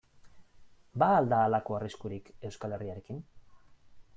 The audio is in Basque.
Ba al da halako arriskurik Euskal Herriarekin?